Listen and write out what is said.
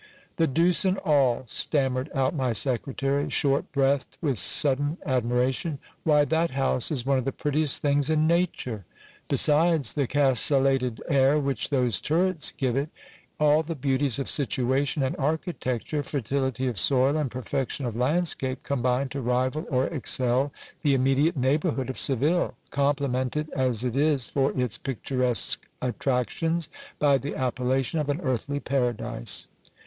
The deuce and all ! stammered out my secretary, short breathed with sud den admiration : why, that house is one of the prettiest things in nature. Be sides the castellated air which those turrets give it, all the beauties of situation aad architecture, fertility of soil, and perfection of landscape, combine to rival or excel the immediate neighbourhood of Seville, complimented as it is for its picturesque attractions by the appellation of an earthly paradise.